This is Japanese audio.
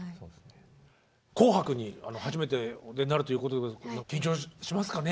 「紅白」に初めてお出になるというとこで緊張しますかね？